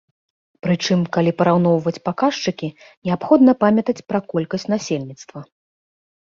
Прычым, калі параўноўваць паказчыкі, неабходна памятаць пра колькасць насельніцтва.